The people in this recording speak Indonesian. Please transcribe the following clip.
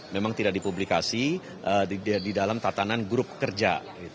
memang tidak dipublikasi di dalam tatanan grup kerja